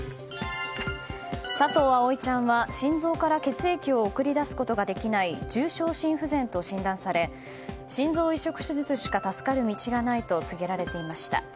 佐藤葵ちゃんは、心臓から血液を送り出すことができない重症心不全と診断され心臓移植手術しか助かる道がないと告げられていました。